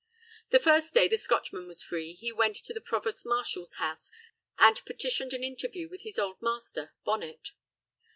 The first day the Scotchman was free he went to the provost marshal's house and petitioned an interview with his old master, Bonnet.